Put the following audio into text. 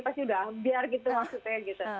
pasti udah biar gitu maksudnya gitu